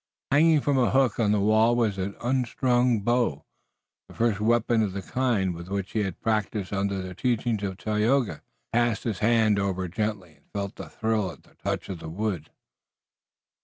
Hanging from a hook on the wall was an unstrung bow, the first weapon of the kind with which he had practiced under the teaching of Tayoga. He passed his hand over it gently and felt a thrill at the touch of the wood.